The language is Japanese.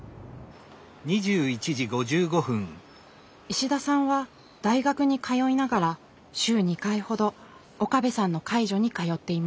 石田さんは大学に通いながら週２回ほど岡部さんの介助に通っています。